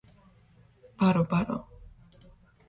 ბარო ბარო